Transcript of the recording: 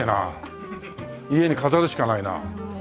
家に飾るしかないな。